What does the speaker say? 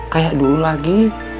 kayak dulu lagi